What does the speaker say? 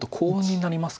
なりますか？